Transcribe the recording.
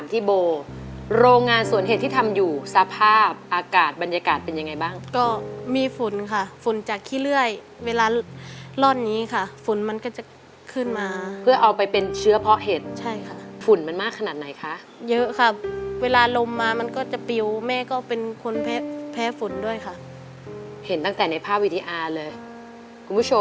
ที่โบโรงงานสวนเห็ดที่ทำอยู่สภาพอากาศบรรยากาศเป็นยังไงบ้างก็มีฝุ่นค่ะฝุ่นจากขี้เลื่อยเวลาหลุดร่อนนี้ค่ะฝุ่นมันก็จะขึ้นมาเพื่อเอาไปเป็นเชื้อเพราะเห็ดใช่ค่ะฝุ่นมันมากขนาดไหนคะเยอะค่ะเวลาลมมามันก็จะปิวแม่ก็เป็นคนแพ้แพ้ฝุ่นด้วยค่ะเห็นตั้งแต่ในภาพวิดีอาร์เลยคุณผู้ชม